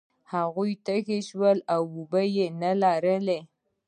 هغه تږی شو او اوبه یې نلرلې.